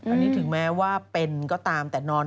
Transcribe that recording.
อันนี้ถึงแม้ว่าเป็นก็ตามแต่นอน